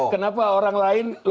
kenapa orang lain